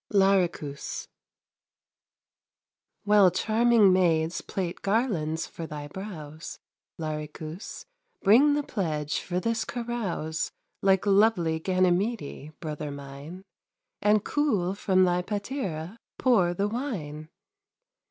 LARICHUS While charming maids plait garlands for thy brows, Larichus, bring the pledge for this carouse Like lovely Ganymede, brother mine, And cool from thy patera pour the wine.